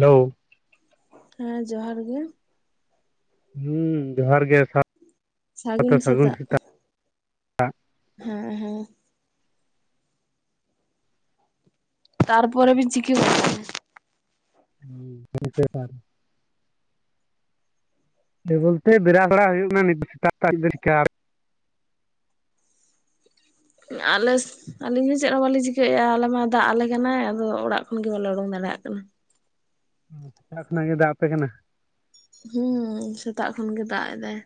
Hello. ᱦᱮᱸ ᱡᱚᱦᱟᱨ ᱜᱮ᱾ ᱦᱩᱸ ᱡᱚᱦᱟᱨ ᱜᱮ ᱥᱟ ᱥᱟᱜᱩᱱ ᱥᱮᱛᱟᱜ᱾ ᱦᱮᱸ ᱦᱮᱸ᱾ ᱛᱟᱨᱯᱚᱨᱮ ᱵᱤᱱ ᱪᱤᱠᱟᱹ [inaudible] ᱦᱩᱸᱻ [inaudible] ᱦᱮᱸ ᱵᱚᱞᱛᱮ ᱵᱮᱱᱟᱣ ᱵᱟᱲᱟ ᱦᱩᱭᱩᱜ ᱠᱟᱱᱟ ᱱᱤᱛ ᱫᱚ ᱥᱮᱛᱟᱜ ᱥᱮᱛᱟᱜ [inaudible] ᱟᱞᱮ ᱟᱹᱞᱤᱧ ᱦᱚᱸ ᱪᱮᱫ ᱦᱚᱸ ᱵᱟᱞᱤᱧ ᱪᱤᱠᱟᱹᱭᱮᱫᱼᱟ ᱟᱞᱮ ᱢᱟ ᱫᱟᱜ ᱟᱞᱮ ᱠᱟᱱᱟ, ᱟᱫᱚ ᱚᱲᱟᱜ ᱠᱷᱚᱱ ᱜᱮ ᱵᱟᱞᱮ ᱩᱰᱩᱝ ᱫᱟᱲᱮᱭᱟᱜ ᱠᱟᱱᱟ᱾ ᱥᱮᱛᱟᱜ ᱠᱷᱚᱱᱟᱜ ᱜᱮ ᱫᱟᱜ ᱟᱯᱮ ᱠᱟᱱᱟ? ᱦᱩᱸ ᱥᱮᱛᱟᱜ ᱠᱷᱚᱱ ᱜᱮ ᱫᱟᱜ ᱮᱫᱟᱭ᱾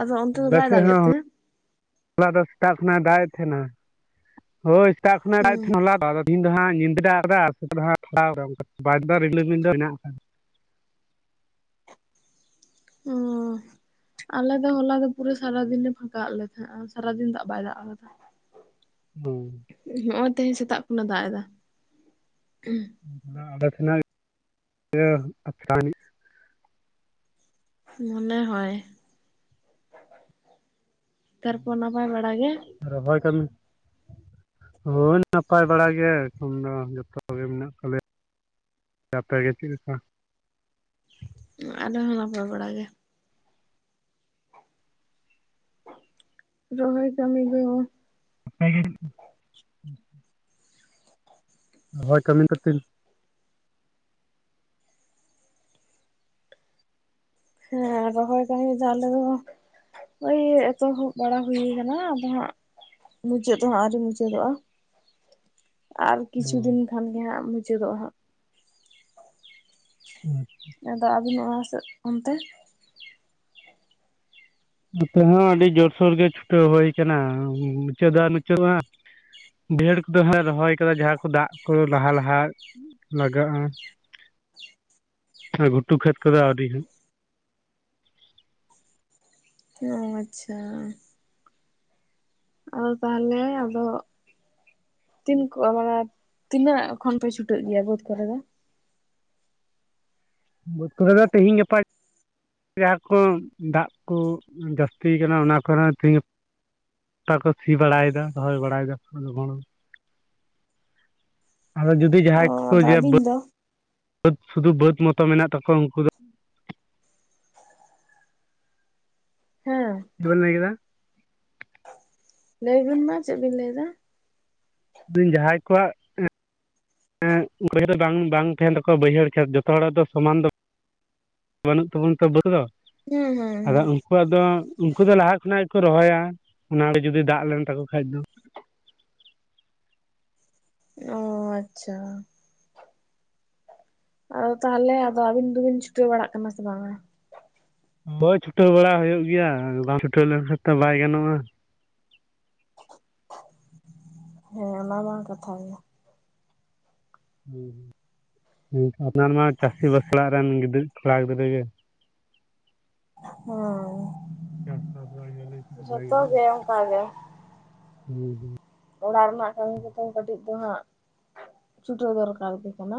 ᱟᱫᱚ ᱚᱱᱛᱮ ᱫᱚ ᱟᱞᱮ ᱵᱟᱭ ᱥᱮᱫ ᱫᱟᱜᱮᱫ ᱦᱚᱸ ᱛᱮ? ᱦᱚᱞᱟ ᱫᱚ ᱥᱮᱛᱟᱜ ᱠᱷᱚᱱᱟᱜ ᱮ ᱫᱟᱜᱮᱜ ᱛᱟᱦᱮᱸᱱᱟ, ᱦᱳᱭ ᱥᱮᱛᱟᱜ ᱠᱷᱚᱱᱟᱜ ᱮ ᱦᱩᱸ ᱫᱟᱜᱮᱜ ᱛᱟᱦᱮᱸᱱᱟ ᱦᱚᱞᱟ ᱫᱚ ᱟᱫᱚ ᱛᱤᱦᱤᱧ ᱫᱚ ᱦᱟᱸᱜ ᱧᱤᱫᱟᱹ ᱫᱟᱜ ᱠᱟᱫᱟ ᱟᱨ ᱥᱮᱛᱟᱜ ᱫᱚ ᱦᱟᱸᱜ [inaudible] ᱠᱟᱫᱟ ᱚᱝᱠᱟ ᱵᱟᱭ ᱫᱟᱜ ᱮᱫᱟ ᱨᱤᱢᱤᱞ ᱨᱤᱢᱤᱞ ᱫᱚ ᱦᱮᱱᱟᱜ ᱟᱠᱟᱫᱟ᱾ ᱚᱻ᱾ ᱟᱞᱮ ᱫᱚ ᱦᱚᱞᱟ ᱫᱚ ᱯᱩᱨᱟᱹ ᱥᱟᱨᱟᱫᱤᱱᱮ ᱯᱷᱟᱸᱠᱟ ᱟᱫ ᱞᱮ ᱛᱟᱦᱮᱸᱜᱼᱟ ᱥᱟᱨᱟ ᱫᱤᱱ ᱫᱟᱜ ᱵᱟᱭ ᱫᱟᱜ ᱟᱠᱟᱫᱟ᱾ ᱦᱩᱸ᱾ ᱦᱚᱸᱜᱼᱚᱭ ᱛᱮᱦᱮᱧ ᱥᱮᱛᱟᱜ ᱠᱷᱚᱱᱟᱜ ᱫᱟᱜ ᱮᱫᱟ᱾ ᱦᱩᱸ ᱟᱫᱚ ᱟᱞᱮ ᱥᱮᱱ ᱦᱚᱸᱭ [inaudible] ᱢᱚᱱᱮ ᱦᱚᱭ, ᱛᱟᱨᱯᱚᱨ ᱱᱟᱯᱟᱭ ᱵᱟᱲᱟ ᱜᱮ? ᱨᱚᱦᱚᱭ ᱠᱟᱹᱢᱤ ᱦᱳᱭ ᱱᱟᱯᱟᱭ ᱵᱟᱲᱟ ᱜᱮ ᱮᱠᱷᱚᱱ ᱫᱚ ᱡᱚᱛᱚ ᱜᱮ ᱢᱮᱱᱟᱜ ᱠᱟᱜ ᱞᱮᱭᱟ᱾ ᱟᱯᱮ ᱜᱮ ᱪᱮᱫ ᱞᱮᱠᱟ? ᱟᱞᱮ ᱦᱚᱸ ᱱᱟᱯᱟᱭ ᱵᱟᱲᱟ ᱜᱮ᱾ ᱨᱚᱦᱚᱭ ᱠᱟᱹᱢᱤ ᱜᱮ [inaudible] [inaudible] ᱦᱩᱸ ᱦᱩᱸ᱾ ᱦᱳᱭ ᱠᱟᱹᱢᱤ ᱫᱚ ᱛᱤᱱ ᱦᱮᱸ ᱨᱚᱦᱚᱭ ᱠᱟᱹᱢᱤ ᱫᱚ ᱟᱞᱮ ᱫᱚ ᱳᱭ ᱮᱛᱚᱦᱚᱵ ᱵᱟᱲᱟ ᱦᱩᱭ ᱠᱟᱱᱟ ᱟᱫᱚ ᱦᱟᱸᱜ ᱢᱩᱪᱟᱹᱫ ᱦᱚ ᱟᱨᱣᱨᱤ ᱢᱩᱪᱟᱹᱫᱚᱜᱼᱟ᱾ [inaudible] ᱟᱨ ᱚ ᱠᱤᱪᱷᱩ ᱫᱤᱱ ᱠᱷᱟᱱᱜᱮ ᱦᱟᱸᱜ ᱢᱩᱪᱟᱹᱫᱚᱜᱼᱟ ᱦᱟᱸᱜ᱾ ᱦᱩᱸ ᱟᱫᱚ ᱟᱹᱵᱤᱱ ᱚᱲᱟ ᱥᱮ ᱚᱱᱛᱮ? ᱱᱚᱛᱮ ᱦᱚᱸ ᱟᱹᱰᱤ ᱡᱳᱨᱥᱳᱨ ᱜᱮ, ᱪᱷᱩᱴᱟᱹᱣ ᱦᱩᱭ ᱠᱟᱱᱟ, ᱢᱩᱪᱟᱹᱫ ᱫᱟᱜ ᱢᱩᱪᱟᱹᱫᱼᱟ᱾ ᱵᱟᱭᱦᱟᱹᱲ ᱠᱚᱫᱚᱞᱮ ᱨᱚᱦᱚᱭ ᱠᱟᱫᱟ, ᱡᱟᱦᱟᱸ ᱠᱚ ᱫᱟᱜ ᱠᱚ ᱞᱟᱦᱟ ᱞᱟᱦᱟ ᱞᱟᱜᱟᱜᱼᱟ, ᱜᱷᱩᱴᱩ ᱠᱷᱮᱛ ᱠᱚᱫᱚ ᱟᱹᱣᱨᱤ ᱦᱟᱸᱜ᱾ ᱚ ᱟᱪᱪᱷᱟ᱾ ᱟᱫᱚ ᱛᱟᱦᱚᱞᱮ, ᱟᱫᱚ ᱛᱤᱱ ᱠᱚ ᱢᱟᱱᱮ ᱛᱤᱱᱟᱹᱜ ᱠᱷᱚᱱ ᱯᱮ, ᱪᱷᱩᱴᱟᱹᱜ ᱜᱮᱭᱟ ᱵᱟᱹᱫᱽ ᱠᱚᱨᱮ ᱫᱚ? ᱵᱟᱹᱛ ᱠᱚᱨᱮ ᱫᱚ ᱛᱤᱦᱤᱧ ᱜᱟᱯᱟ ᱡᱟᱦᱟᱸ ᱠᱚ ᱫᱟᱜ ᱠᱚ ᱡᱟᱹᱥᱛᱤ ᱠᱟᱱᱟ, ᱚᱱᱟ ᱠᱚᱨᱮ ᱛᱮᱦᱤᱧ ᱜᱟᱯᱟ ᱜᱚᱴᱟ ᱠᱚ ᱥᱤ ᱵᱟᱲᱟᱭᱫᱟ, ᱨᱚᱦᱚᱭ ᱵᱟᱲᱟᱭ ᱫᱟᱠᱚ ᱞᱚᱜᱚᱸᱲ᱾ ᱟᱫᱚ ᱡᱩᱫᱤ ᱚ ᱡᱟᱦᱟᱸᱭ ᱠᱚ, ᱟᱫᱚ ᱡᱮ ᱟᱹᱵᱤᱱ ᱫᱚ ᱵᱟᱹᱫᱽ ᱥᱩᱫᱩ ᱵᱟᱹᱫᱽ ᱢᱚᱛᱚ ᱢᱮᱱᱟᱜ ᱛᱟᱠᱚᱣᱟ ᱩᱱᱠᱩ ᱫᱚ ᱦᱮᱸ ᱪᱮᱫ ᱵᱮᱱ ᱞᱟᱸᱭ ᱠᱮᱫᱟ? ᱞᱟᱹᱭᱵᱤᱱ ᱢᱟ, ᱪᱮᱫ ᱵᱤᱱ ᱞᱟᱹᱭ ᱫᱟ? ᱞᱟᱹᱭ ᱫᱟᱹᱤᱧ ᱡᱟᱦᱟᱸᱭ ᱠᱚᱣᱟᱜ ᱮᱜ ᱵᱟᱭᱦᱟᱹᱲ ᱫᱚ ᱵᱟᱝᱼᱵᱟᱝ ᱛᱟᱦᱮᱱ ᱛᱟᱠᱚᱣᱟ, ᱵᱟᱹᱭᱦᱟᱹᱲ ᱠᱷᱮᱛ, ᱡᱚᱛᱚ ᱦᱚᱲᱟᱜ ᱫᱚ ᱥᱚᱢᱟᱱ ᱫᱚ᱾ ᱵᱟᱹᱱᱩᱜ ᱛᱟᱵᱚᱱ ᱛᱚ ᱵᱟᱹᱛ ᱫᱚ᱾ ᱦᱩᱸ, ᱦᱩᱸ, ᱦᱩᱸ᱾ ᱟᱫᱚ ᱩᱱᱠᱩᱣᱟᱜ ᱫᱚ, ᱩᱱᱠᱩ ᱫᱚ ᱞᱟᱦᱟ ᱠᱷᱚᱱᱟᱜ ᱜᱮᱠᱚ ᱨᱚᱦᱚᱭᱟ, ᱚᱱᱟᱨᱮ ᱡᱩᱫᱤ ᱫᱟᱜ ᱞᱮᱱ ᱛᱟᱠᱚ ᱠᱷᱟᱡ ᱫᱚ᱾ ᱚᱻ ᱟᱪᱪᱷᱟ᱾ ᱟᱫᱚ ᱛᱟᱦᱚᱞᱮ ᱟᱫᱚ, ᱟᱹᱵᱤᱱ ᱫᱚᱵᱤᱱ ᱪᱷᱩᱴᱟᱹᱣ ᱵᱟᱲᱟᱜ ᱠᱟᱱᱟ ᱥᱮ ᱵᱟᱝᱟ? ᱦᱳᱭ ᱪᱷᱩᱴᱟᱹᱣ ᱵᱟᱲᱟ ᱦᱳᱭᱳᱜ ᱜᱮᱭᱟ, ᱵᱟᱝ ᱪᱷᱩᱴᱟᱹᱣ ᱞᱮᱱᱠᱷᱟᱱ ᱛᱚ ᱵᱟᱭ ᱜᱟᱱᱚᱜᱼᱟ᱾ ᱦᱮᱸ ᱚᱱᱟ ᱢᱟ ᱠᱟᱛᱷᱟ ᱜᱮ᱾ ᱦᱚᱸ ᱟᱯᱱᱟᱨ ᱢᱟ ᱪᱟᱹᱥᱤ ᱵᱟᱥᱚᱲᱟᱜ ᱨᱮᱱ, ᱜᱤᱫᱽᱨᱟᱹ ᱠᱚᱲᱟ ᱜᱤᱫᱽᱨᱟᱹ ᱜᱮ᱾ ᱦᱮᱸ ᱪᱟᱥᱵᱟᱥ ᱵᱟᱭ ᱜᱟᱱᱚᱜ ᱵᱟᱭ ᱡᱚᱛᱚ ᱜᱟᱱᱚᱜᱼᱟ ᱜᱮ ᱚᱝᱠᱟ ᱜᱮ᱾ ᱦᱩᱸ, ᱦᱩᱸ᱾ ᱚᱲᱟᱜ ᱨᱮᱱᱟᱜ ᱠᱟᱹᱢᱤ ᱠᱚᱛᱚ, ᱠᱟᱹᱴᱤᱡ ᱫᱚ ᱦᱟᱸᱜ ᱪᱷᱩᱴᱟᱹᱣ ᱫᱚᱨᱠᱟᱨ ᱜᱮ ᱠᱟᱱᱟ᱾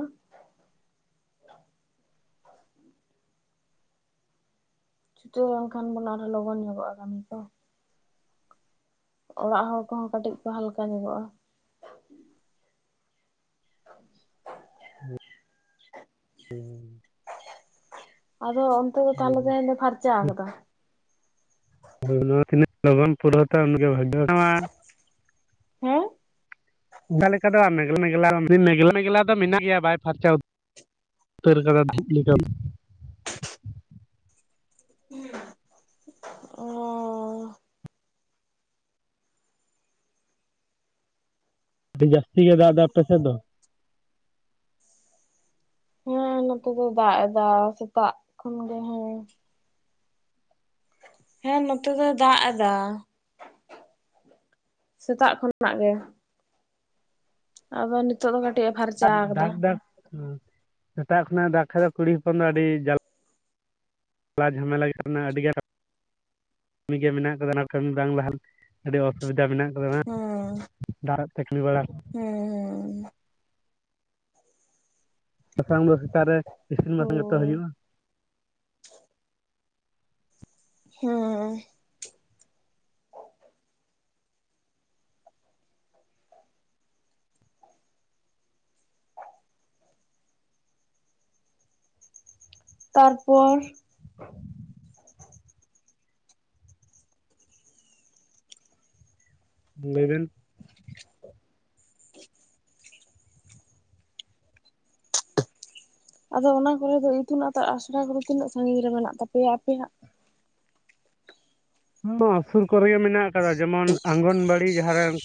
ᱪᱷᱩᱴᱟᱹᱣ ᱞᱮᱱ ᱠᱷᱟᱱ ᱵᱚᱱ, ᱟᱨᱦᱚᱸ ᱞᱚᱜᱚᱱ ᱧᱚᱜᱚᱜᱼᱟ ᱠᱟᱹᱢᱤ ᱠᱚ᱾ ᱚᱲᱟᱜ ᱦᱚᱲ ᱠᱚᱦᱚᱸ, ᱠᱟᱹᱴᱤᱡ ᱠᱚ ᱦᱟᱞᱠᱟ ᱧᱚᱜᱚᱜᱼᱟ᱾ [unintelligible] [unintelligible] ᱦᱩᱸ, ᱟᱫᱚ ᱚᱱᱛᱮ ᱫᱚ ᱛᱟᱦᱚᱞᱮ, ᱛᱮᱦᱮᱧ ᱫᱚ ᱯᱷᱟᱨᱪᱟ ᱠᱟᱫᱟ? ᱱᱚᱣᱟ ᱛᱤᱱᱟᱹᱜ ᱞᱚᱜᱚᱱ ᱯᱩᱨᱟᱹᱣ ᱛᱮ ᱩᱱᱟᱜ ᱵᱷᱟᱜᱤ᱾ ᱫᱚᱟᱱ [unintelligible] [unintelligible] ᱦᱮᱸ ᱚᱱᱠᱟ ᱞᱮᱠᱟ ᱫᱚ, ᱢᱮᱜᱽᱞᱟ ᱢᱮᱜᱞᱟ ᱢᱮᱜᱞᱟ ᱢᱮᱜᱞᱟ ᱫᱚ, ᱢᱮᱱᱟᱜ ᱜᱮᱭᱟ ᱵᱟᱭ ᱯᱷᱟᱨᱪᱟ ᱩᱛ ᱩᱛᱟᱹᱨ ᱠᱟᱫᱟ ᱡᱷᱤᱡ ᱞᱮᱠᱟ᱾ ᱚᱻ ᱟᱹᱰᱤ ᱡᱟᱹᱥᱛᱤ ᱜᱮ ᱫᱟᱜ ᱫᱟ, ᱟᱯᱮ ᱥᱮᱫ ᱫᱚ? ᱦᱮᱸ ᱱᱚᱛᱮ ᱫᱚ ᱫᱟᱜ ᱫᱟ, ᱥᱮᱛᱟᱜ ᱠᱷᱚᱱ ᱜᱮ ᱦᱮᱸ᱾ ᱦᱮᱸ ᱱᱚᱛᱮ ᱫᱚᱭ ᱫᱟᱜ ᱮᱫᱟ, ᱥᱮᱛᱟᱜ ᱠᱷᱚᱱᱟᱜ ᱜᱮ ᱟᱫᱚ ᱱᱤᱛᱚᱜ ᱫᱚ ᱠᱟᱹᱴᱤᱡ ᱮ ᱯᱷᱟᱨᱪᱟ ᱟᱠᱟᱫᱟ᱾ ᱫᱟᱜ ᱫᱟᱜ ᱥᱮᱛᱟᱜ ᱠᱷᱚᱱᱟᱜ ᱫᱟ ᱠᱷᱟᱡ ᱫᱚ ᱠᱩᱲᱤ ᱦᱚᱯᱚᱱ ᱫᱚ ᱟᱹᱰᱤ ᱡᱟᱞᱟ ᱡᱷᱟᱢᱮᱞᱟ ᱨᱮᱱᱟᱜ ᱟᱹᱰᱤᱜᱟᱱ ᱠᱟᱹᱢᱤ ᱜᱮ ᱢᱮᱱᱟᱜ ᱠᱟᱫᱟ᱾ ᱚᱱᱟ ᱠᱟᱹᱢᱤ ᱵᱟᱝ ᱞᱟᱦᱟ ᱟᱹᱰᱤ ᱚᱥᱩᱵᱤᱫᱟ ᱢᱮᱱᱟᱜ ᱟᱠᱟᱫᱟ᱾ ᱦᱮᱸ ᱫᱟᱜ ᱟᱛᱮ ᱠᱟᱢᱤ ᱵᱟᱲᱟ ᱦᱩᱸ, ᱦᱩᱸ᱾ ᱵᱟᱝᱠᱷᱟᱱ ᱫᱚ ᱥᱮᱛᱟᱜ ᱨᱮ ᱤᱥᱤᱱ ᱵᱟᱥᱟᱝ ᱡᱚᱛᱚ ᱦᱳᱭ ᱦᱩᱭᱩᱜᱼᱟ᱾ ᱦᱮᱸ᱾ ᱛᱟᱨᱯᱚᱨ ᱞᱟᱹᱭ ᱵᱤᱱ ᱟᱫᱚ ᱚᱱᱟ ᱠᱚᱨᱮ ᱫᱚ ᱤᱛᱩᱱ ᱟᱛᱟ ᱟᱥᱲᱟ ᱠᱚᱫᱚ ᱛᱤᱱᱟᱹᱜ ᱥᱟᱺᱜᱤᱧ ᱨᱮ ᱢᱮᱱᱟᱜ ᱛᱟᱯᱮᱭᱟ ᱟᱯᱮᱭᱟᱜ? ᱚᱸ ᱥᱩᱨ ᱠᱚᱨᱮ ᱜᱮ ᱢᱮᱱᱟᱜ ᱟᱠᱟᱫᱟ ᱡᱮᱢᱚᱱ ᱚᱝᱜᱚᱱ ᱵᱟᱲᱤ ᱟᱹᱰᱤ ᱡᱟᱦᱟᱸ ᱨᱮᱱ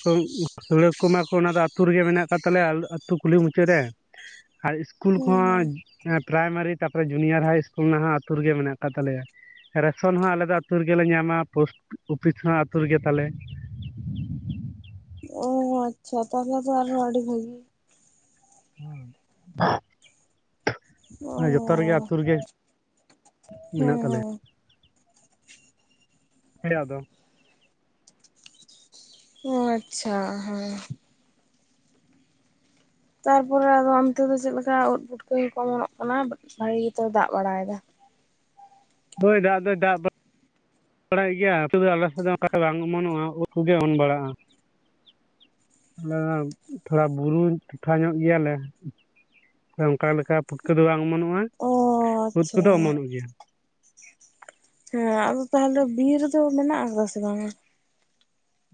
ᱥᱩᱲᱟᱹ ᱠᱚᱢᱟ ᱠᱚ, ᱚᱱᱟ ᱫᱚ ᱟᱹᱛᱩ ᱨᱮᱜᱮ ᱢᱮᱱᱟᱜ ᱠᱟᱫ ᱛᱟᱞᱮᱭᱟ ᱟᱹᱛᱩ ᱠᱩᱞᱦᱤ ᱢᱩᱪᱟᱹᱫ ᱨᱮ ᱟᱨ ᱤᱥᱠᱩᱞ ᱦᱩᱸ ᱦᱩᱸ ᱠᱚᱦᱚᱸ ᱯᱨᱟᱭᱢᱟᱨᱤ ᱛᱟᱨᱯᱚᱨᱮ ᱡᱩᱱᱤᱭᱟᱨ ᱦᱟᱭ ᱤᱥᱠᱩᱞ ᱨᱮᱱᱟᱜ ᱟᱹᱛᱩ ᱨᱮᱜᱮ ᱢᱮᱱᱟᱜ ᱟᱠᱟᱫ ᱛᱟᱞᱮᱭᱟ᱾ ᱨᱮᱥᱚᱱ ᱦᱚᱸ ᱟᱞᱮ ᱫᱚ ᱟᱹᱛᱩ ᱨᱮᱜᱮᱞᱮ ᱧᱟᱢᱟ᱾ ᱯᱳᱥᱴ ᱚᱯᱷᱤᱥ ᱦᱚᱸ ᱟᱹᱛᱩ ᱨᱮᱜᱮ ᱛᱟᱞᱮ ᱚ ᱟᱪᱪᱷᱟ ᱛᱟᱦᱚᱞᱮ ᱫᱚ ᱟᱨᱦᱚ ᱟᱹᱰᱤ ᱵᱷᱟᱹᱜᱤ ᱚ ᱡᱚᱛᱚ ᱡᱚᱛᱚ ᱨᱮᱜᱮ ᱟᱹᱛᱩ ᱨᱮᱜᱮ ᱢᱮᱱᱟᱜ ᱦᱮᱸ ᱛᱟᱞᱮᱭᱟ᱾ ᱦᱮᱸ ᱦᱮᱸ ᱟᱫᱚ ᱚᱸ ᱟᱪᱪᱷᱟ ᱦᱮᱸ ᱛᱟᱨᱯᱚᱨᱮ ᱚᱱᱛᱮ ᱫᱚ ᱪᱮᱫ ᱞᱮᱠᱟ ᱩᱫ ᱯᱩᱴᱠᱟᱹ ᱠᱚ ᱚᱢᱚᱱᱚᱜ ᱠᱟᱱᱟ? ᱵᱷᱟᱹᱜᱤ ᱜᱮᱛᱚ ᱫᱟᱜ ᱵᱟᱲᱟᱭ ᱮᱫᱟ? ᱦᱳᱭ ᱫᱟᱜ ᱫᱚ ᱫᱟᱜ ᱵᱟᱲᱟᱜ ᱜᱮᱭᱟ ᱟᱞᱮ ᱫᱚ ᱟᱞᱟᱥ ᱵᱟᱝ ᱚᱢᱚᱱᱚᱜᱼᱟ, ᱩᱫ ᱠᱚᱜᱮ ᱚᱱ ᱵᱟᱲᱟᱜᱼᱟ᱾ ᱟᱞᱮ ᱛᱷᱚᱲᱟ ᱵᱩᱨᱩ ᱴᱚᱴᱷᱟ ᱧᱚᱜ ᱜᱮᱭᱟ ᱞᱮ᱾ ᱚᱱᱠᱟ ᱞᱮᱠᱟ ᱯᱩᱴᱠᱟᱹ ᱫᱚ ᱵᱟᱝ ᱚᱢᱚᱱᱚᱜᱼᱟ, ᱚ ᱩᱫ ᱟᱪᱪᱷᱟ ᱠᱚᱫᱚ ᱚᱢᱚᱱᱚᱜ ᱜᱮᱭᱟ᱾ ᱦᱮᱸ ᱟᱫᱚ ᱛᱟᱦᱚᱞᱮ ᱵᱤᱨ ᱫᱚ ᱢᱮᱱᱟᱜ ᱟᱠᱟᱫᱟ ᱥᱮ ᱵᱟᱝᱼᱟ?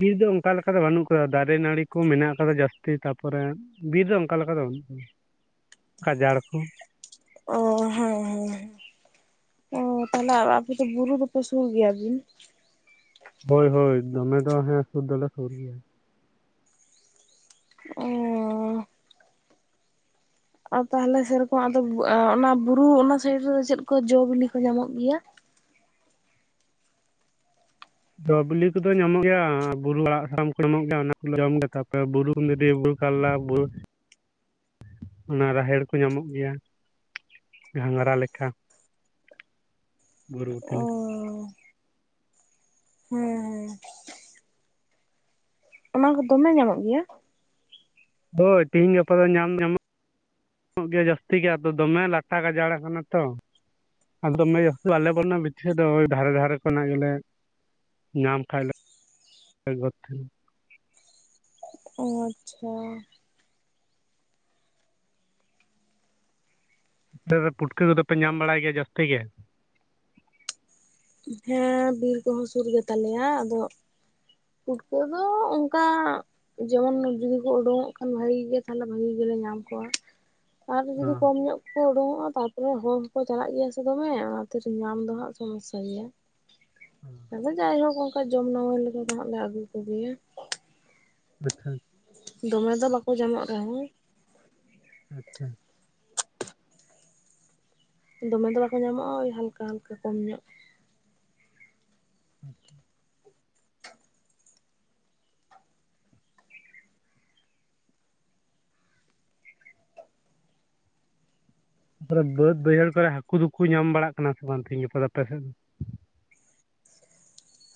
ᱵᱤᱨ ᱫᱚ ᱚᱱᱠᱟ ᱞᱮᱠᱟ ᱫᱚ ᱵᱟᱹᱱᱩᱜ ᱟᱠᱟᱫᱟ, ᱫᱟᱨᱮ ᱱᱟᱹᱲᱤ ᱠᱚ ᱢᱮᱱᱟᱜ ᱟᱠᱟᱫᱟ ᱡᱟᱹᱥᱛᱤ ᱛᱟᱨᱯᱚᱨᱮ ᱵᱤᱨ ᱫᱚ ᱚᱱᱠᱟ ᱞᱮᱠᱟ ᱫᱚ ᱵᱟᱹᱱᱩᱜᱼᱟ ᱜᱟᱡᱟᱲ ᱠᱚ ᱚᱻ ᱦᱮᱸ ᱦᱮᱸ᱾ ᱚ ᱛᱟᱦᱚᱞᱮ ᱟᱯᱮ ᱫᱚ ᱵᱩᱨᱩ ᱫᱚᱯᱮ ᱥᱩᱨ ᱜᱮᱭᱟᱵᱤᱱ? ᱦᱳᱭ ᱦᱳᱭ ᱫᱚᱢᱮ ᱫᱚ ᱦᱮᱸ ᱥᱩᱨ ᱫᱚᱞᱮ ᱥᱩᱨ ᱜᱮᱭᱟ᱾ ᱚᱻᱻ᱾ ᱟᱨ ᱛᱟᱦᱚᱞᱮ ᱥᱮᱨᱚᱠᱚ ᱚᱱᱟ ᱵᱩᱨᱩ ᱚᱱᱟ ᱥᱟᱭᱤᱰ ᱨᱮᱫᱚ ᱪᱮᱫ ᱠᱚ ᱡᱚ ᱵᱤᱞᱤ ᱠᱚ ᱧᱟᱢᱚᱜ ᱜᱮᱭᱟ? ᱡᱚ ᱵᱤᱞᱤ ᱠᱚᱫᱚ ᱧᱟᱢᱚᱜ ᱜᱮᱭᱟ, ᱵᱩᱨᱩ ᱟᱲᱟᱜ ᱥᱟᱢ ᱠᱚ ᱧᱟᱢᱚᱜ ᱜᱮᱭᱟ ᱚᱱᱟ ᱠᱚᱞᱮ ᱡᱚᱢ ᱜᱮᱭᱟ᱾ ᱛᱟᱯᱚᱨᱮ ᱵᱩᱨᱩ ᱫᱤᱨᱤ ᱠᱟᱨᱞᱟ, ᱵᱩᱨᱩ ᱚᱱᱟ ᱨᱟᱦᱮᱲ ᱠᱚ ᱧᱟᱢᱚᱜ ᱜᱮᱭᱟ ᱜᱷᱟᱸᱜᱽᱨᱟ ᱞᱮᱠᱟ᱾ ᱚ ᱵᱷᱩᱨᱵᱷᱩᱴᱤ ᱞᱮᱠ ᱦᱮᱸ ᱦᱮᱸ ᱚᱱᱟ ᱠᱚ ᱫᱚᱢᱮ ᱧᱟᱢᱚᱜ ᱜᱮᱭᱟ? ᱦᱳᱭ, ᱛᱤᱦᱤᱧ ᱜᱟᱯᱟ ᱫᱚ ᱧᱟᱢ ᱧᱟᱢᱚᱜ ᱜᱮ ᱡᱟᱹᱥᱛᱤ ᱜᱮ ᱟᱫᱚ ᱫᱚᱢᱮ ᱞᱟᱴᱟ ᱜᱟᱡᱟᱲ ᱠᱟᱱᱟ ᱛᱚ᱾ ᱟᱫᱚ ᱫᱚᱢᱮ ᱡᱟᱥᱛᱤ ᱵᱟᱞᱮ ᱵᱚᱞᱚᱱᱼᱟ, ᱵᱷᱤᱛᱤᱨ ᱥᱮᱫ ᱫᱚ ᱫᱷᱟᱨᱮ ᱫᱷᱟᱨᱮ ᱠᱚᱱᱟᱜ ᱜᱮᱞᱮ ᱧᱟᱢ ᱠᱷᱟᱡ ᱞᱮ ᱜᱚᱫ ᱛᱮᱦᱮᱱᱟ᱾ ᱚᱻ ᱟᱪᱪᱷᱟ᱾ ᱯᱩᱴᱠᱟᱹ ᱠᱚᱫᱚᱯᱮ ᱧᱟᱢ ᱵᱟᱲᱟᱭ ᱜᱮᱭᱟ ᱡᱟᱹᱥᱛᱤ ᱜᱮ᱾ ᱦᱮᱸ ᱵᱤᱨ ᱠᱚᱦᱚᱸ ᱥᱩᱨ ᱜᱮ ᱛᱟᱞᱮᱭᱟ ᱟᱫᱚ᱾ ᱯᱩᱴᱠᱟᱹ ᱫᱚ ᱚᱱᱠᱟ᱾ ᱡᱮᱢᱚᱱ ᱡᱚᱫᱤ ᱠᱚ ᱩᱰᱩᱠᱚᱜ ᱠᱷᱟᱱ ᱵᱷᱟᱜᱤ ᱜᱮ ᱛᱟᱦᱞᱮ ᱵᱷᱟᱹᱜᱤ ᱜᱮᱞᱮ ᱧᱟᱢ ᱠᱚᱣᱟ᱾ ᱟᱨ ᱡᱩᱫᱤ ᱦᱚᱸ ᱠᱚᱢ ᱧᱚᱜ ᱠᱚ ᱩᱰᱩᱠᱚᱜᱼᱟ ᱛᱟᱯᱚᱨᱮ ᱦᱚᱲ ᱦᱚᱸᱠᱚ ᱪᱟᱞᱟᱜ ᱜᱮᱭᱟ ᱥᱮ ᱫᱚᱢᱮ ᱚᱱᱟᱛᱮ ᱧᱟᱢ ᱫᱚ ᱦᱟᱸᱜ ᱥᱚᱢᱚᱥᱥᱟ᱾ [unintelligible] ᱜᱮᱭᱟ ᱦᱚᱸ ᱟᱫᱚ ᱡᱟᱭᱦᱳᱠ ᱚᱱᱠᱟ ᱡᱚᱢ ᱱᱟᱢᱟᱹᱭ ᱞᱮᱠᱟ ᱫᱚ ᱦᱟᱸᱜ ᱞᱮ ᱟᱹᱜᱩ ᱠᱚᱜᱮᱭᱟ᱾ [inaudible] ᱫᱚᱢᱮ ᱫᱚ ᱵᱟᱠᱚ ᱡᱟᱢᱚᱜ ᱨᱮᱦᱚ ᱟᱪᱪᱷᱟ ᱫᱚᱢᱮ ᱫᱚ ᱵᱟᱠᱚ ᱧᱟᱢᱚᱜᱼᱟ ᱳᱭ ᱦᱟᱞᱠᱟ ᱦᱟᱞᱠᱟ ᱠᱚᱢ ᱧᱚᱜ᱾ [inaudible] ᱛᱟᱦᱚᱞᱮ ᱵᱟᱹᱫ ᱵᱟᱹᱭᱦᱟᱹᱲ ᱠᱚᱨᱮ ᱦᱟᱹᱠᱩ ᱫᱩᱠᱩ ᱧᱟᱢ ᱵᱟᱲᱟᱜ ᱠᱟᱱᱟ ᱥᱮ ᱵᱟᱝ ᱛᱮᱦᱤᱧ ᱜᱟᱯᱟ ᱫᱚ ᱟᱯᱮ ᱥᱮᱫ ᱫᱚ᱾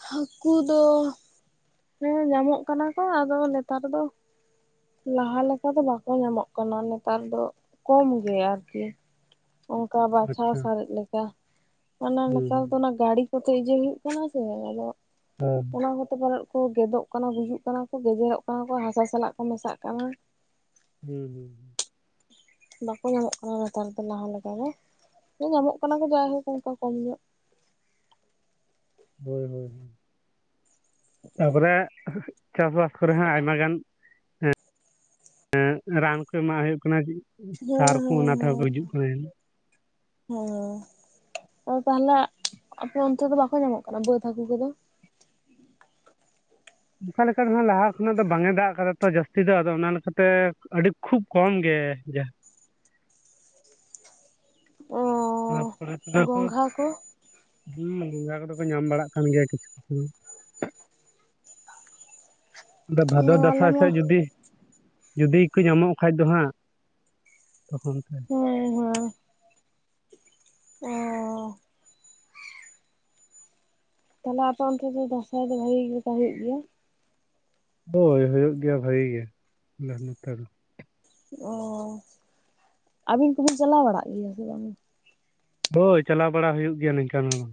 ᱦᱟᱹᱠᱩ ᱫᱚ ᱦᱮᱸ ᱧᱟᱢᱚᱜ ᱠᱟᱱᱟ ᱠᱚ ᱟᱫᱚ ᱱᱮᱛᱟᱨ ᱫᱚ᱾ ᱞᱟᱦᱟ ᱞᱮᱠᱟ ᱫᱚ ᱵᱟᱠᱚ ᱧᱟᱢᱚᱜ ᱠᱟᱱᱟ ᱱᱮᱛᱟᱨ ᱫᱚ ᱠᱚᱢ ᱜᱮ ᱟᱨᱠᱤ ᱚᱱᱠᱟ ᱫᱚ ᱵᱟᱪᱷᱟᱣ ᱟᱪᱪᱷᱟ ᱥᱟᱨᱮᱡ ᱞᱮᱠᱟ ᱢᱟᱱᱮ ᱦᱩᱸ ᱱᱮᱛᱟᱨ ᱫᱚ ᱦᱩᱸ ᱚᱱᱟ ᱜᱟᱹᱲᱤᱼᱼ ᱠᱚᱛᱮ ᱤᱡᱮ ᱦᱩᱭᱩᱜ ᱠᱟᱱᱟ ᱥᱮ ᱟᱫᱚ᱾ [inaudible] ᱚᱱᱟ ᱠᱚᱛᱮ ᱯᱟᱞᱮᱫ ᱠᱚ ᱜᱮᱫᱚᱜ ᱠᱟᱱᱟ ᱜᱩᱡᱩᱜ ᱠᱟᱱᱟ ᱠᱚ ᱜᱮᱡᱮᱨᱚᱜ ᱠᱟᱱᱟ ᱠᱚ ᱦᱟᱥᱟ ᱥᱟᱞᱟᱜ ᱠᱚ ᱢᱮᱥᱟᱜ ᱠᱟᱱᱟ᱾ ᱦᱩᱸ ᱦᱩᱸ ᱵᱟᱠᱚ ᱧᱟᱢᱚᱜ ᱠᱟᱱᱟ ᱱᱮᱛᱟᱨ ᱫᱚ ᱞᱟᱦᱟ ᱞᱮᱠᱟ ᱫᱚ ᱧᱟᱢᱚᱜ ᱠᱟᱱᱟ ᱠᱚ ᱡᱟᱭᱦᱳᱠ ᱚᱱᱠᱟ ᱠᱚᱢ ᱧᱚᱜᱼᱼ ᱦᱳᱭ ᱦᱳᱭ ᱛᱟᱯᱚᱨᱮ ᱪᱟᱥᱵᱟᱥ ᱠᱚᱨᱮ ᱦᱚᱸ ᱟᱭᱢᱟ ᱜᱟᱱᱼᱼ [inaudible] ᱨᱟᱱ ᱠᱩ ᱮᱢᱟᱜ ᱦᱩᱭᱩᱜ ᱠᱟᱱᱟ ᱦᱮᱸ ᱥᱟᱨ ᱠᱩ ᱚᱱᱟ ᱛᱮᱦᱚᱸ ᱠᱚ ᱜᱩᱡᱩᱜ ᱠᱟᱱᱟ ᱡᱟᱹᱱᱤᱡ ᱦᱳᱸᱭ ᱦᱮᱸ ᱟᱫᱚ ᱛᱟᱦᱚᱞᱮ ᱟᱯᱮ ᱚᱱᱛᱮ ᱫᱚ ᱵᱟᱠᱚ ᱧᱟᱢᱚᱜ ᱠᱟᱱᱟ ᱵᱟᱹᱫᱽ ᱦᱟᱹᱠᱩ ᱠᱚᱫᱚ᱾ ᱚᱱᱠᱟ ᱞᱮᱠᱟ ᱫᱚ ᱱᱟᱦᱟ ᱞᱟᱦᱟ ᱠᱷᱚᱱᱟᱜ ᱫᱚ ᱵᱟᱝ ᱮ ᱫᱟᱜ ᱠᱟᱫᱟ ᱛᱚ ᱡᱟᱹᱥᱛᱤ ᱫᱚ ᱟᱫᱚ ᱚᱱᱟ ᱞᱮᱠᱟᱛᱮ ᱟᱹᱰᱤ ᱠᱷᱩᱵ ᱠᱚᱢ ᱜᱮᱼᱼ ᱚᱸ ᱛᱟᱯᱚᱨᱮ ᱛᱮᱫᱚ ᱠᱚ ᱦᱩᱸ [unintelligible] ᱠᱚᱫᱚ ᱠᱚ ᱧᱟᱢ ᱵᱟᱲᱟᱜ ᱠᱟᱱ ᱜᱮᱭᱟ ᱠᱤᱪᱷᱩ ᱠᱤᱪᱷᱩᱼᱼ ᱟᱫᱚ ᱵᱷᱟᱫᱚᱨ ᱟᱞᱮ ᱫᱟᱸᱥᱟᱭ ᱢᱟ ᱥᱮᱡ ᱡᱩᱫᱤ ᱡᱩᱫᱤ ᱠᱚ ᱧᱟᱢᱚᱜ ᱠᱷᱟᱡ ᱫᱚ ᱦᱟᱸᱜ ᱛᱚᱠᱷᱚᱱ ᱛᱮ᱾ ᱦᱮᱸ ᱚᱸ ᱛᱟᱦᱚᱞᱮ ᱟᱯᱮ ᱚᱱᱛᱮ ᱫᱚ ᱫᱟᱸᱥᱟᱭ ᱫᱚ ᱵᱷᱟᱜᱤ ᱜᱮ [unintelligible] ᱦᱩᱭᱩᱜ ᱜᱮᱭᱟ᱾ ᱦᱳᱭ ᱦᱩᱭᱩᱜ ᱜᱮᱭᱟ ᱵᱷᱟᱜᱤ ᱜᱮ ᱟᱞᱮ ᱱᱚᱛᱮ ᱫᱚ᱾ ᱚ ᱟᱹᱵᱤᱱ ᱠᱚᱵᱤᱱ ᱪᱟᱞᱟᱣ ᱵᱟᱲᱟᱜ ᱜᱮᱭᱟ ᱥᱮ ᱵᱟᱝ᱾ ᱦᱳᱭ ᱪᱟᱞᱟᱣ ᱵᱟᱲᱟ ᱦᱩᱭᱩᱜ ᱜᱮᱭᱟ ᱱᱤᱝᱠᱟᱱ ᱦᱚᱲ ᱦᱚᱸ᱾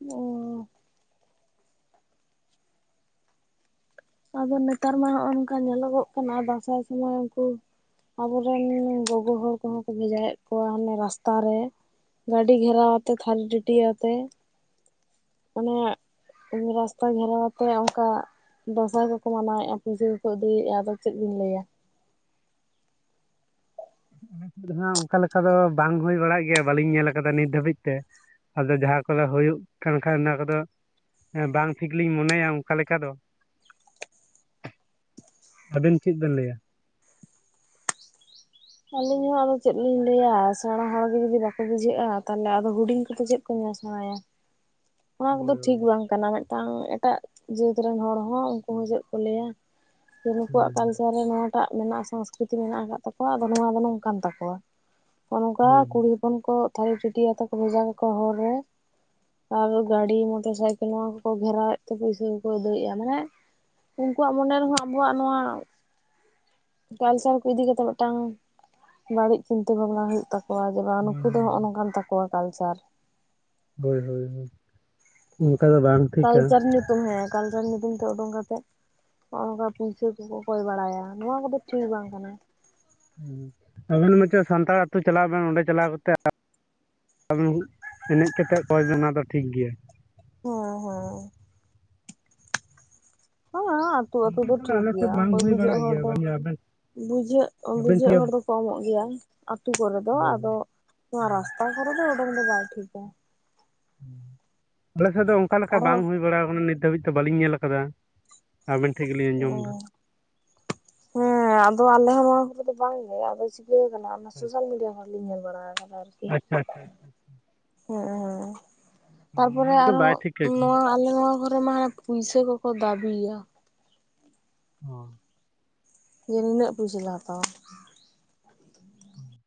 ᱚ ᱟᱫᱚ ᱱᱮᱛᱟᱨ ᱢᱟ ᱦᱚᱜᱼᱚ ᱱᱚᱝᱠᱟ ᱧᱮᱞᱚᱜᱚᱜ ᱠᱟᱱᱟ ᱫᱟᱸᱥᱟᱭ ᱥᱚᱢᱚᱭ ᱩᱱᱠᱩ ᱟᱵᱚᱨᱮᱱ ᱜᱚᱜᱚ ᱦᱚᱲ ᱠᱚᱦᱚᱸ ᱠᱚ ᱵᱷᱮᱡᱟᱭᱮᱫ ᱠᱚᱣᱟ ᱦᱟᱱᱮ ᱨᱟᱥᱛᱟ ᱨᱮᱼᱼ ᱜᱟᱹᱰᱤ ᱜᱷᱮᱨᱟᱣ ᱟᱛᱮ ᱛᱷᱟᱹᱤ ᱴᱟᱹᱴᱤᱭᱟᱹ ᱟᱛᱮ᱾ ᱚᱱᱮ ᱨᱟᱥᱛᱟ ᱜᱷᱮᱨᱟᱣ ᱟᱛᱮ ᱚᱱᱠᱟ᱾ ᱫᱟᱸᱥᱟᱭ ᱠᱚᱠᱚ ᱢᱟᱱᱟᱣᱮᱫᱼᱟ ᱯᱩᱭᱥᱟᱹ ᱠᱚᱠᱚ ᱟᱹᱫᱟᱹᱭᱮᱟ ᱟᱫᱚ ᱪᱮᱫ ᱵᱤᱱ ᱞᱟᱹᱭᱟ᱾ ᱟᱞᱮ ᱥᱮᱫ ᱫᱚ ᱦᱟᱜ ᱚᱱᱠᱟ ᱞᱮᱠᱟ ᱫᱚ ᱵᱟᱝ ᱦᱩᱭ ᱵᱟᱲᱟᱜ ᱜᱮᱭᱟ ᱵᱟᱹᱞᱤᱧ ᱧᱮᱞ ᱠᱟᱫᱟ ᱱᱤᱛ ᱫᱷᱟᱹᱵᱤᱡ ᱛᱮ᱾ ᱟᱫᱚ ᱡᱟᱦᱟᱸ ᱠᱚᱫᱚ ᱦᱩᱭᱩᱜ ᱠᱟᱱ ᱠᱷᱟᱱ ᱚᱱᱟ ᱠᱚᱫᱚ᱾ ᱦᱮᱸ ᱵᱟᱝ ᱴᱷᱤᱠ ᱞᱤᱧ ᱢᱚᱱᱮᱭᱟ ᱚᱱᱠᱟ ᱞᱮᱠᱟ ᱫᱚ᱾ ᱟᱵᱤᱱ ᱪᱮᱫ ᱵᱮᱱ ᱞᱟᱹᱭᱟ᱾ ᱟᱹᱞᱤᱧ ᱦᱚᱸ ᱟᱫᱚ ᱪᱮᱜ ᱞᱤᱧ ᱞᱟᱹᱭᱟ ᱥᱮᱬᱟ ᱦᱚᱲ ᱜᱮ ᱡᱩᱫᱤ ᱵᱟᱠᱚ ᱵᱩᱡᱷᱟᱹᱜᱼᱟ ᱛᱟᱦᱞᱮ ᱟᱫᱚ ᱦᱩᱰᱤᱧ ᱠᱚᱫᱚ ᱪᱮᱫ ᱾ ᱠᱚ ᱧᱮᱞ ᱥᱮᱲᱟᱭᱟ ᱾ [inaudible] ᱚᱱᱟ ᱠᱚᱫᱚ ᱦᱳᱭ ᱦᱳᱭ ᱴᱷᱤᱠ ᱵᱟᱝ ᱠᱟᱱᱟ ᱢᱮᱫᱴᱟᱝ ᱮᱴᱟᱜ ᱡᱟᱹᱛ ᱨᱮᱱ ᱦᱚᱲ ᱦᱚᱸ ᱩᱱᱠᱩ ᱦᱚᱸ ᱪᱮᱜ ᱠᱚ ᱞᱟᱹᱭᱟ ᱾ ᱦᱩᱸ ᱱᱩᱠᱩᱣᱟᱜ ᱠᱟᱢᱥᱟᱣ ᱨᱮ ᱱᱚᱣᱟᱴᱟᱜ ᱢᱮᱱᱟᱜᱼᱟ ᱥᱚᱝᱥᱠᱨᱤᱛᱤ ᱢᱮᱱᱟᱜ ᱟᱠᱟᱫ ᱛᱟᱠᱚᱣᱟ ᱾ ᱟᱫᱚ ᱱᱚᱣᱟ ᱫᱚ ᱱᱚᱝᱠᱟᱱ ᱛᱟᱠᱚᱣᱟᱜ ᱚᱼᱱᱚᱝᱠᱟ ᱦᱩᱸ ᱠᱩᱲᱤ ᱾ ᱦᱚᱯᱚᱱ ᱠᱚ [unintelligible] ᱟᱛᱮᱱ ᱠᱚ ᱵᱷᱮᱡᱟ ᱠᱟᱠᱚᱣᱟ ᱦᱚᱲ ᱨᱮ ᱾ ᱟᱨ ᱜᱟᱹᱰᱤ ᱢᱚᱴᱚᱨ ᱥᱟᱭᱠᱮᱞ ᱱᱚᱣᱟ ᱠᱚᱠᱚ ᱜᱷᱮᱨᱟᱣᱮᱫ ᱛᱮ ᱯᱩᱭᱥᱟᱹ ᱠᱚᱠᱚ ᱟᱹᱫᱟᱹᱭᱮᱫᱼᱟ ᱢᱟᱱᱮ ᱾ ᱩᱱᱠᱩᱣᱟᱜ ᱢᱚᱱᱮ ᱨᱮᱦᱚᱸ ᱟᱵᱚᱣᱟᱜ ᱱᱚᱣᱟ ᱠᱟᱞᱥᱟᱨ ᱠᱚ ᱤᱫᱤ ᱠᱟᱛᱮ ᱢᱤᱫᱴᱟᱝ ᱵᱟᱲᱤᱡ ᱪᱤᱱᱛᱟᱹ ᱵᱷᱟᱵᱽᱱᱟ ᱦᱩᱭᱩᱜ ᱛᱟᱠᱚᱣᱟ ᱡᱮ ᱵᱟᱝ ᱦᱩᱸ ᱦᱳᱭ ᱱᱩᱠᱩ ᱫᱚ ᱦᱳᱭ ᱦᱚᱸᱜ ᱚᱼ ᱱᱚᱝᱠᱟᱱ ᱛᱟᱠᱚᱣᱟ ᱠᱟᱞᱪᱟᱨ ᱾ ᱦᱳᱭ ᱦᱳᱭ ᱦᱳᱭ ᱚᱝᱠᱟ ᱫᱚ ᱵᱟᱝ ᱾ ᱠᱟᱭᱪᱟᱨ ᱧᱩᱛᱩᱢ ᱦᱮᱸ ᱠᱟᱞᱪᱟᱨ ᱧᱩᱛᱩᱢ ᱛᱮ ᱩᱰᱩᱝ ᱠᱟᱛᱮᱫ ᱾ ᱦᱚᱸ ᱚᱝᱠᱟ ᱯᱩᱭᱥᱟᱹ ᱠᱚᱠᱚ ᱠᱚᱭ ᱵᱟᱲᱟᱭᱟ ᱱᱚᱣᱟ ᱠᱚᱫᱚ ᱴᱷᱤᱠ ᱵᱟᱝ ᱠᱟᱱᱟ ᱾ ᱦᱩᱸ ᱟᱵᱮᱱ ᱢᱤᱴᱟᱱ ᱥᱟᱱᱛᱟᱲ ᱟᱹᱛᱩ ᱪᱟᱞᱟ ᱵᱮᱱ ᱚᱸᱰᱮ ᱪᱟᱞᱟᱣ ᱠᱟᱛᱮ ᱾ ᱟᱵᱮᱱ ᱮᱱᱮᱡ ᱠᱟᱛᱮ ᱠᱚᱭ ᱵᱮᱱ ᱚᱱᱟ ᱫᱚ ᱴᱷᱤᱠ ᱜᱮᱭᱟ ᱾ ᱦᱮᱸ ᱦᱮᱸ ᱾ ᱦᱮᱸ ᱟᱸ ᱟᱹᱛᱩ ᱟᱹᱛᱩ ᱫᱚ ᱚᱱᱠᱟ ᱴᱷᱤᱠ ᱟᱞᱮ ᱥᱮᱫ ᱜᱮᱭᱟ ᱵᱟᱝ ᱚᱠᱚᱭ ᱦᱩᱭ ᱵᱟᱲᱟᱜ ᱵᱩᱡᱷᱟᱹᱜ ᱦᱚᱲ ᱜᱮᱭᱟ ᱫᱚ ᱵᱟᱝ ᱾ ᱟᱵᱮᱱ ᱵᱩᱡᱷᱟᱹᱜ ᱟᱵᱮᱱ ᱵᱩᱡᱷᱟᱹᱜ ᱴᱷᱮᱱ ᱦᱚᱲ ᱫᱚᱠᱚ ᱮᱢᱚᱜ ᱜᱮᱭᱟ ᱟᱹᱛᱩ ᱠᱚᱨᱮᱫᱚ ᱦᱳᱭ ᱦᱳᱭ ᱟᱫᱚ ᱾ ᱱᱚᱣᱟ ᱨᱟᱥᱛᱟ ᱠᱚᱨᱮ ᱫᱚ ᱚᱰᱚᱝᱫᱚ ᱵᱟᱭ ᱴᱷᱤᱠᱟ ᱾ ᱦᱩᱸ ᱟᱞᱮ ᱥᱮᱫ ᱫᱚ ᱚᱱᱠᱟ ᱞᱮᱠᱟ ᱟᱨᱦᱚᱸ ᱵᱟᱝ ᱦᱩᱭ ᱵᱟᱲᱟᱣ ᱠᱟᱱᱟ ᱱᱤᱛ ᱫᱷᱟᱹᱵᱤᱡ ᱛᱚ ᱵᱟᱹᱞᱤᱧ ᱧᱮᱞ ᱠᱟᱫᱟ ᱾ ᱟᱵᱮᱱ ᱴᱷᱮᱡ ᱜᱮᱞᱤᱧ ᱟᱸᱡᱚᱢ ᱫᱟ ᱚᱸ ᱾ ᱦᱮᱸ ᱟᱫᱚ ᱟᱞᱮᱦᱚᱸ ᱱᱚᱣᱟ ᱠᱚᱨᱮ ᱫᱚ ᱵᱟᱝ ᱜᱮ ᱟᱫᱚ ᱪᱤᱠᱟᱹᱣ ᱠᱟᱱᱟ ᱚᱱᱟ ᱥᱳᱥᱟᱞ ᱢᱤᱰᱤᱭᱟ ᱞᱤᱧ ᱧᱮᱞ ᱵᱟᱲᱟ ᱠᱟᱫᱟ ᱟᱨᱠᱤ ᱾ ᱟᱪᱪᱷᱟ ᱟᱪᱪᱷᱟ‌ [inaudible] ᱦᱮᱸ ᱦᱮᱸ ᱚᱱᱟ ᱛᱟᱨᱯᱚᱨᱮ ᱠᱚᱫᱚ ᱟᱨᱚ ᱵᱟᱭ ᱴᱷᱤᱠᱟᱹ ᱠᱟᱱᱟ ᱱᱚᱣᱟ ᱟᱞᱮ ᱱᱚᱣᱟ ᱠᱚᱨᱮ ᱢᱟ ᱯᱩᱭᱥᱟᱹ ᱠᱚᱠᱚ ᱫᱟᱵᱤᱭᱟ ᱾ ᱦᱚ ᱡᱮ ᱱᱤᱱᱟᱹᱜ ᱯᱩᱭᱥᱟ ᱞᱮ ᱦᱟᱛᱟᱣᱟ ᱾ ᱚ